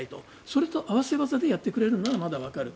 それと合わせ技でやってくれるならまだわかる。